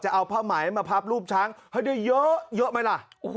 จะเอาผ้าไหมให้มาพับรูปช้างเยอะโมยเกินไหมล่ะ